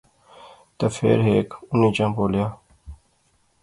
تے فیر ہیک انیں چا بولیا